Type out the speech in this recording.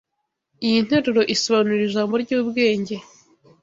Iyi nteruro isobanura ijambo ryubwenge